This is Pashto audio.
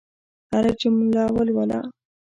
هره جمله ولوله.